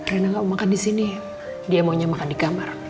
reina gak mau makan disini dia maunya makan di kamar